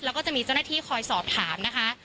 แล้วก็จะมีเจ้าหน้าที่คอยสอบถามนะคะ